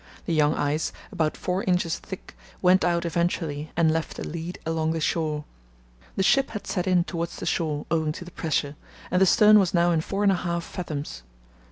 The young ice, about four inches thick, went out eventually and left a lead along the shore. The ship had set in towards the shore, owing to the pressure, and the stern was now in four and a half fathoms.